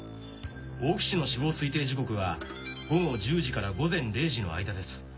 大木の死亡推定時刻は午後１０時から午前０時の間です。